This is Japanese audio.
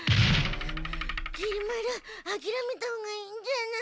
きり丸あきらめたほうがいいんじゃない？